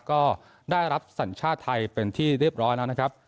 ก็ได้รับสัญชาติไทยเป็นที่เรียบร้อยแล้วนะครับ